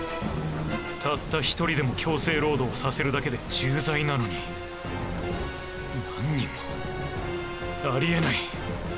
たった１人でも強制労働させるだけで重罪なのに何人もありえない